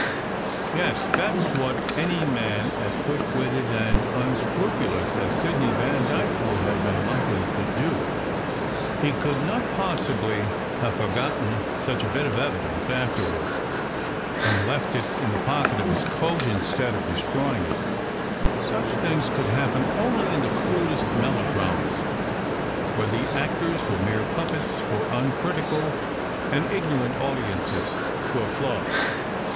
Yes, that was what any man as quick witted and unscrupulous as Sidney Vandyke would have been likely to do. He could not possibly have forgotten such a bit of evidence afterward, and left it in the pocket of his coat instead of destroying it; such things could hap pen only in the crudest melodramas, where the actors were mere puppets for uncritical and ignorant audiences to applaud.